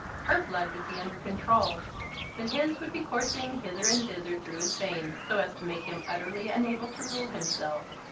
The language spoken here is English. Her blood would be under control, but his would be coursing hither and thither through his veins, so as to make him utterly unable to rule himself.